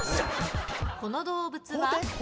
この動物は？